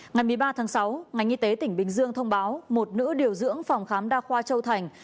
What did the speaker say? ngày một mươi ba tháng sáu ngành y tế tỉnh bình dương thông báo một nữ điều dưỡng phòng khám đa khoa châu thành